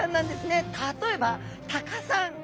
例えばタカさん